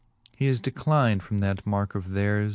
He is declyned from that marke of theirs.